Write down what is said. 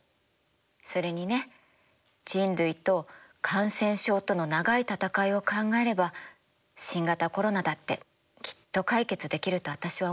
それにね人類と感染症との長い闘いを考えれば新型コロナだってきっと解決できると私は思うな。